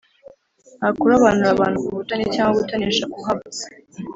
Nta kurobanura abantu ku butoni cyangwa gutonesha kuhaba